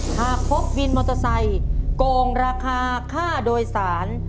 หากพบวินมอเตอร์ไซค์โกงราคาค่าโดยสาร